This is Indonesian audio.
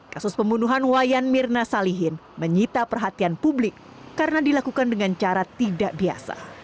kasus pembunuhan wayan mirna salihin menyita perhatian publik karena dilakukan dengan cara tidak biasa